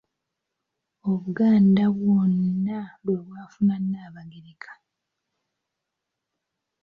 Obuganda bwonna lwe bwafuna Nnaabagereka.